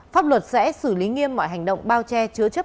pháp luật sẽ xử lý nghiêm mọi hành động bao che chứa chấp